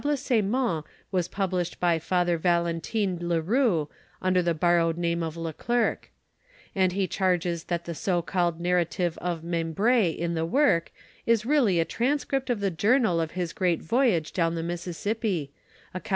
'Hssement was pub lished by Father Valentine le Roux, under the borrowed pa /)« of le Clercq ; and he charges that the so called narrative of Membr^ in th' work, is really a tran script of the journal of his great voyoge dow :'^ Mississippi, a co?